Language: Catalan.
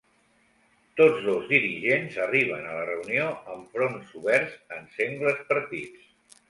Tots dos dirigents arriben a la reunió amb fronts oberts en sengles partits.